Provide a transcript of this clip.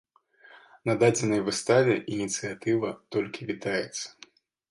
На дадзенай выставе ініцыятыва толькі вітаецца.